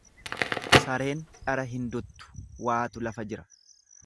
Sareen dhara hin duttu waatu lafa jira.